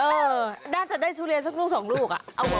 เออน่าจะได้ซุเรียสักลูกลูก